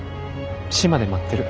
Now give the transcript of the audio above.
島で待ってる。